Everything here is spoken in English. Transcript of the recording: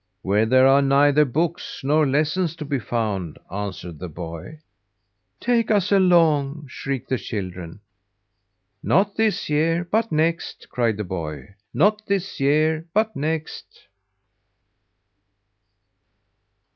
"Where there are neither books nor lessons to be found," answered the boy. "Take us along!" shrieked the children. "Not this year, but next," cried the boy. "Not this year, but next."